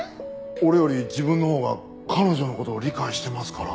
俺より自分のほうが彼女の事を理解してますからって。